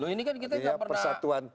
ini kan kita enggak pernah